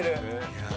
いや。